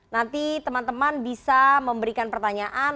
nanti teman teman bisa memberikan pertanyaan